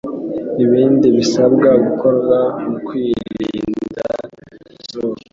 Ibindi bisabwa gukorwa mukwirinda stroke .